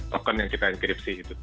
token yang kita enkripsi